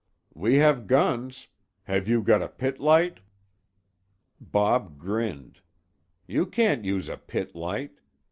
"We have guns. Have you got a pit light?" Bob grinned. "You can't use a pit light.